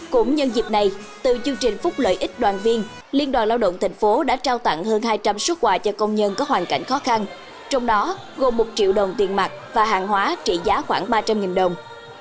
cũng nhân dịp này từ chương trình phúc lợi ích đoàn viên liên đoàn lao động tp hcm đã trao tặng hơn hai trăm linh xuất quà cho công nhân có hoàn cảnh khó khăn trong đó gồm một triệu đồng tiền mặt và hàng hóa trị giá khoảng ba trăm linh đồng